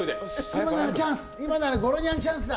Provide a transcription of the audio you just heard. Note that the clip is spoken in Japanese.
今ならゴロニャンチャンスだ。